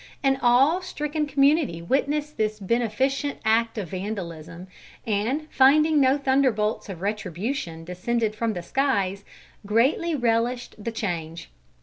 An awe stricken community witnessed this beneficent act of vandalism, and, finding that no thunderbolts of retribution descended from the skies, greatly relished the change.